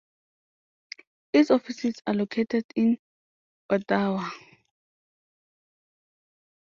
Its offices are located in Ottawa.